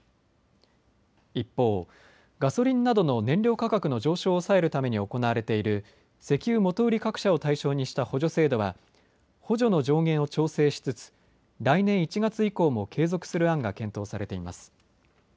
一方、ガソリンなどの燃料価格の上昇を抑えるために行われている石油元売り各社を対象にした補助制度は補助の上限を調整しつつ来年１月以降も継続する案が検討されています。